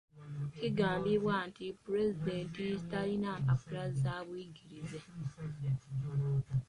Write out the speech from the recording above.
Kigambibwa nti pulezidenti talina mpapula za buyigirize.